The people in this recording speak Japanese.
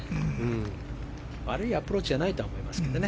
悪いアプローチではないと思いますけどね。